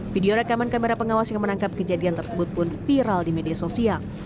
video rekaman kamera pengawas yang menangkap kejadian tersebut pun viral di media sosial